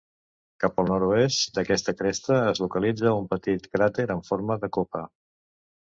Cap al nord-oest d'aquesta cresta es localitza un petit cràter amb forma de copa.